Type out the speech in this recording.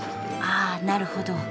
ああなるほど。